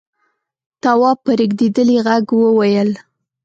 تواب په رېږدېدلي غږ وويل: